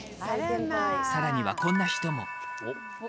さらにはこんな人も。